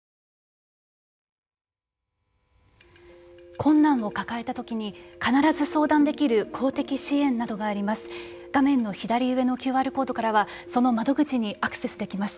困難を抱えたときに必ず相談できる公的支援などがあります。